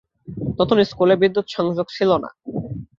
নতুন স্কুলে বিদ্যুৎ সংযোগ ছিল না।